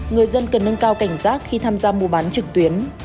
người dân cần nâng cao cảnh giác khi tham gia mua bán trực tuyến